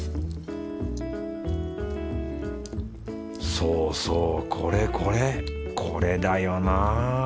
そうそうこれこれこれだよな。